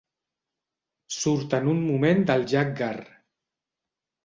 Surten un moment del Jaggar.